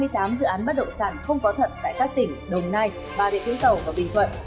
đậu sản không có thật tại các tỉnh đồng nai ba địa cứu tàu và bình thuận